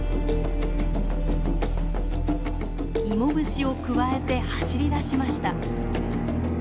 イモムシをくわえて走り出しました。